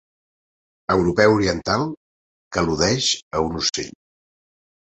Europeu oriental que al·ludeix a un ocell.